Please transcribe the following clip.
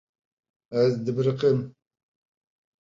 Ez dibiriqim.